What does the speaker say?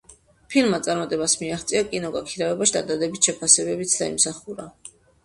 ფილმმა წარმატებას მიაღწია კინოგაქირავებაში და დადებითი შეფასებებიც დაიმსახურა.